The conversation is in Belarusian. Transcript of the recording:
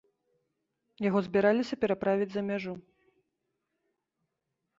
Яго збіраліся пераправіць за мяжу.